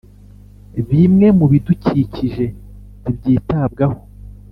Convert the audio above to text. Bimwe mu bidukikije ntibyitabwaho